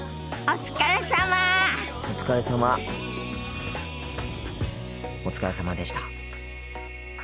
お疲れさまでした。